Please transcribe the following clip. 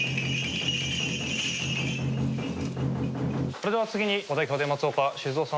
それでは次にお代表で松岡修造様